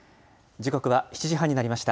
時刻は７時半になりました。